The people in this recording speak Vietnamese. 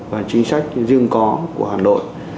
và chính sách riêng có của hà nội